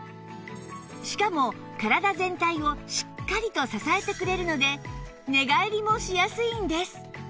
しかも体全体をしっかりと支えてくれるので寝返りもしやすいんです